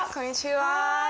はい。